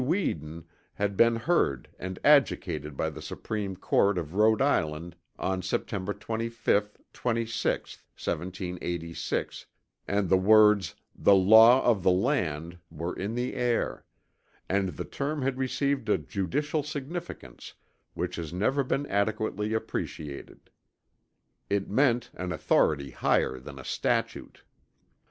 Weeden had been heard and adjudicated by the Supreme Court of Rhode Island on September 25th, 26th, 1786, and the words "THE LAW OF THE LAND" were in the air; and the term had received a judicial significance which has never been adequately appreciated. It meant an authority higher than a statute.